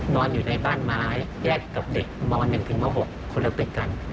นอนอยู่ในบ้านไม้แยกกับเด็กม๑ถึงม๖คนละเป็กกัน